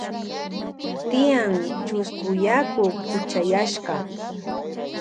Tyan chusku yaku kuchayashka.